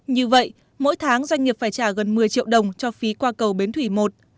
như vậy mỗi tháng doanh nghiệp phải trả gần một mươi triệu đồng cho phí qua cầu bến thủy một